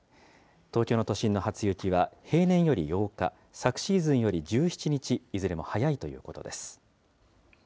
東京の都心の初雪は、平年より８日、昨シーズンより１７日、いずれも早いということです。